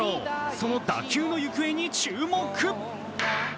その打球の行方に注目。